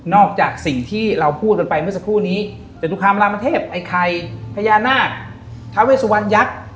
จากสิ่งที่เราพูดกันไปเมื่อสักครู่นี้จตุคามรามเทพไอ้ไข่พญานาคท้าเวสุวรรณยักษ์